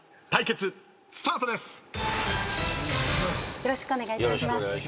よろしくお願いします。